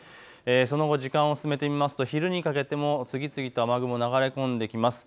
その後、時間を進めてみますと昼にかけて次々と雨雲が流れ込んできます。